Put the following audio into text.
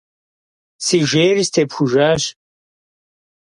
Си жейр степхужащ.